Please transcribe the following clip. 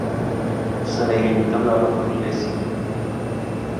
Să ne limităm la lucrurile simple.